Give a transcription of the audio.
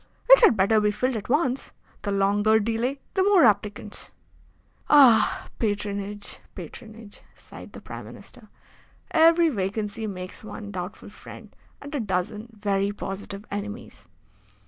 "It had better be filled at once. The longer delay the more applicants." "Ah, patronage, patronage!" sighed the Prime Minister. "Every vacancy makes one doubtful friend and a dozen very positive enemies.